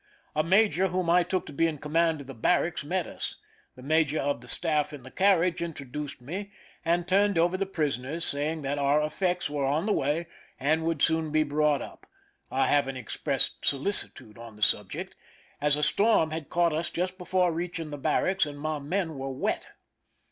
A major whom I took to be in command of the barracks met us. The major of the staff in the carriage introduced me, and turned over the prisoners, saying that our effects were on the way and would soon be brought up, I having expressed solicitude on the subject, as a storm had caught us just before reaching the barracks, and my men were wet.